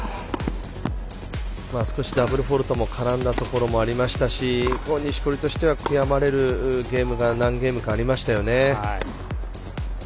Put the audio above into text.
少しダブルフォールトも絡んだところもありましたし錦織としては悔やまれるゲームが何ゲームかありましたよね。